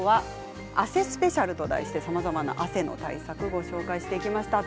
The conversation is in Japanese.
汗スペシャルと題してさまざまな汗の対策をお伝えしてきました。